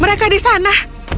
mereka di sana